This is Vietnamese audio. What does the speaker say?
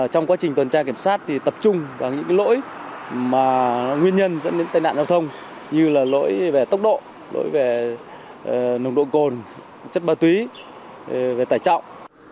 trong quá trình tuần tra kiểm soát thì tập trung vào những lỗi nguyên nhân dẫn đến tai nạn giao thông như lỗi về tốc độ lỗi về nông độ cồn chất bơ túy về tài trọng